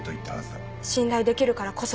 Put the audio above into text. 信頼できるからこそです。